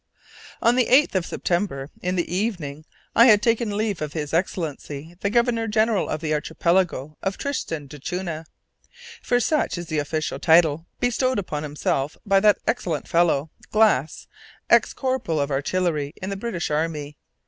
On the 8th of September, in the evening, I had taken leave of His Excellency the Governor General of the Archipelago of Tristan d'Acunha for such is the official title bestowed upon himself by that excellent fellow, Glass, ex corporal of artillery in the British Army.